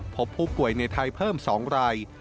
พบผู้ป่วยในไทยเพิ่ม๒ราย